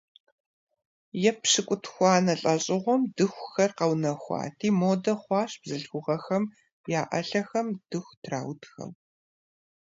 Епщыкӏутхуанэ лӏэщӏыгъуэм дыхухэр къэунэхуати, модэ хъуащ бзылъхугъэхэм я ӏэлъэхэм дыху траутхэу.